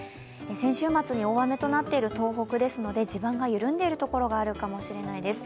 先週末に大雨となっている東北ですので地盤が緩んでいる所があるかもしれないです。